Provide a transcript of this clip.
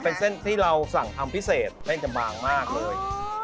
เป็นเส้นที่เราสั่งทำพิเศษเล่นกันบางมากเลย